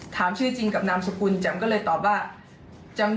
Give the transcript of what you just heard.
ถามชื่อจริงกับนามสกุลแจ่มก็เลยตอบว่า